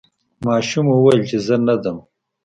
ماشوم وویل چې زه نه ځم.